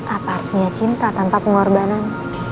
apa artinya cinta tanpa pengorbanan